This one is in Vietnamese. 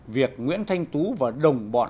việc nguyễn thành tú và đồng bọn